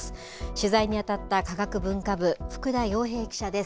取材に当たった科学文化部、福田陽平記者です。